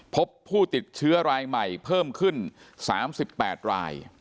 พบผู้ติดเชื้อรายใหม่เพิ่มขึ้น๓๘ราย